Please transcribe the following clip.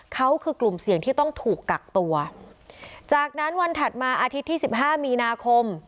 เขาคือกลุ่มเสี่ยงที่ต้องถูกกักตัวจากนั้นวันถัดมาอาทิตย์ที่สิบห้ามีนาคม